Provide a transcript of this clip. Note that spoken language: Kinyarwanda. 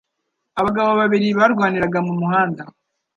Abagabo babiri barwaniraga mu muhanda